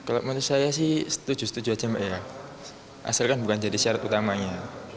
kalau menurut saya sih setuju setuju aja mbak ya asalkan bukan jadi syarat utamanya